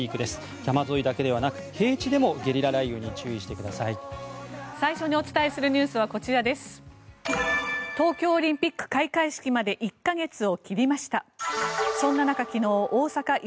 山沿いだけではなく平地でもゲリラ雷雨に注意してください。